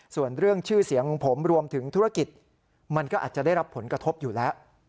ส่วนเรื่องชื่อเสียงของผมรวมถึงธุรกิจมันก็อาจจะได้รับผลกระทบอยู่แล้ว